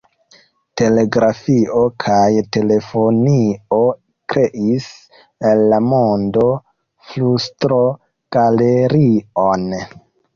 Telegrafio kaj telefonio kreis el la mondo flustrogalerion.